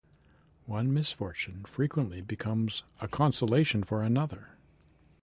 One misfortune frequently becomes a consolation for another.